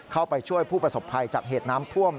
เข้าไปช่วยผู้ประสบภัยจากเหตุน้ำท่วม